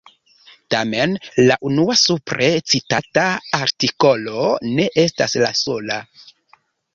Tamen la unua supre citata artikolo ne estas la sola.